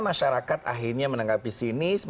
masyarakat akhirnya menangkapi sinis